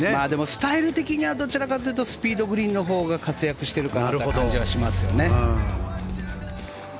スタイル的にはどちらかというとスピードグリーンのほうが活躍している感じがしますよね。